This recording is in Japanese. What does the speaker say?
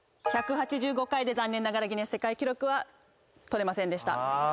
残念ながらギネス世界記録は取れませんでした。